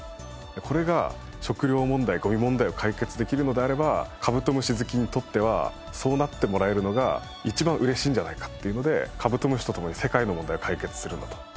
これが食糧問題ゴミ問題を解決できるのであればカブトムシ好きにとってはそうなってもらえるのが一番嬉しいんじゃないかっていうのでカブトムシと共に世界の問題を解決するんだと。